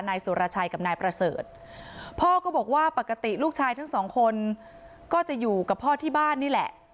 นายสุรชัยกับนายประเสริฐพ่อก็บอกว่าปกติลูกชายทั้งสองคนก็จะอยู่กับพ่อที่บ้านนี่แหละ